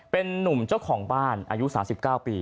เป็นนุ่มเจ้าของบ้านอายุ๓๙ปี